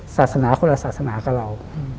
ศาสนาคนละศาสนากับเรา